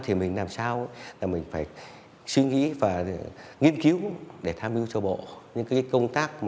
thì mình làm sao là mình phải suy nghĩ và nghiên cứu để tham mưu cho bộ những cái công tác